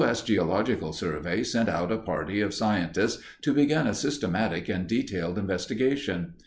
S. Geological Survey sent out a party of scientists to begin a systematic and detailed investigation.